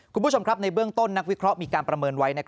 คุณผู้ชมครับในเบื้องต้นนักวิเคราะห์มีการประเมินไว้